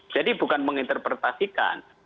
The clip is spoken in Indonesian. jadi bukan menginterpretasikan